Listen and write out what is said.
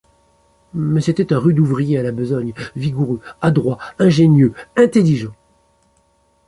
Mais c’était un rude ouvrier à la besogne, vigoureux, adroit, ingénieux, intelligent.